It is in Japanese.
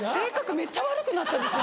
めっちゃ悪くなったんですよ